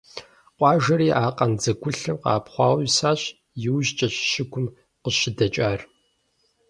Къуажэри а къандзэгулъэм къэӀэпхъуауэ исащ, иужькӀэщ щыгум къыщыдэкӀар.